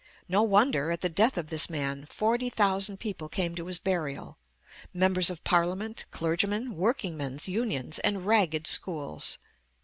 No wonder, at the death of this man, 40,000 people came to his burial, members of Parliament, clergymen, workingmen's unions, and ragged schools.